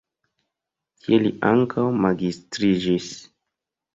Tie li ankaŭ magistriĝis.